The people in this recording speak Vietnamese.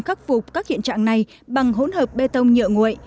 khắc phục các hiện trạng này bằng hỗn hợp bê tông nhựa nguội